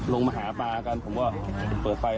ลงมาหาปลากันผมว่า